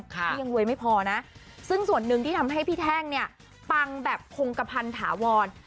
ที่ยังรวยไม่พอนะซึ่งส่วนหนึ่งที่ทำให้พี่แท่งเนี่ยปังแบบคงกระพันถาวร